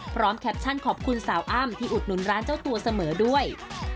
แคปชั่นขอบคุณสาวอ้ำที่อุดหนุนร้านเจ้าตัวเสมอด้วย